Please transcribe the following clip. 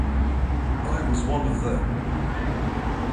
I was one of the.